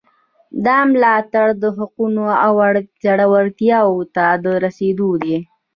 دا ملاتړ حقوقو او اړتیاوو ته د رسیدو دی.